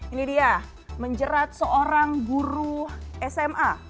ini dia menjerat seorang guru sma